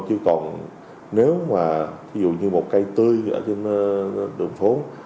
chứ còn nếu mà thí dụ như một cây tươi ở trên đường phố